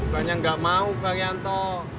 banyak gak mau bang yanto